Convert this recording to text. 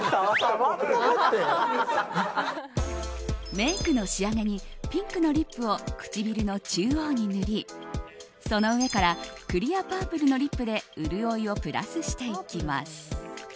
メイクの仕上げにピンクのリップを唇の中央に塗りその上からクリアパープルのリップで潤いをプラスしていきます。